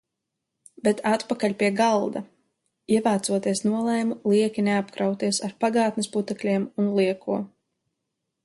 Bet atpakaļ pie galda. Ievācoties nolēmu lieki neapkrauties ar pagātnes putekļiem un lieko.